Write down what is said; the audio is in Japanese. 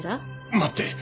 待って！